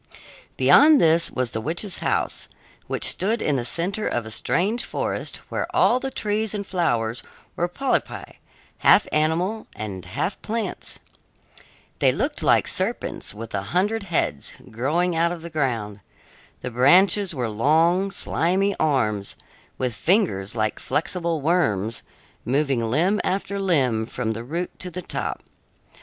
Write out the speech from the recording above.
Beyond this was the witch's house, which stood in the center of a strange forest, where all the trees and flowers were polypi, half animals and half plants. They looked like serpents with a hundred heads, growing out of the ground. The branches were long, slimy arms, with fingers like flexible worms, moving limb after limb from the root to the top.